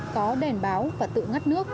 có đèn báo và tự ngắt nước